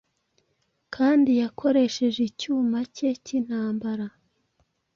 Kandi yakoresheje icyuma cye cyintambara